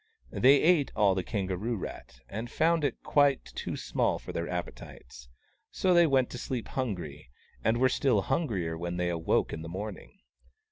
They ate all the kangaroo rat, and found it quite too small for their appetites : so they went to sleep hungry, and were still hungrier when they awoke in the morning.